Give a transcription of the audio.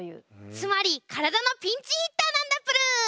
つまり体のピンチヒッターなんだプル。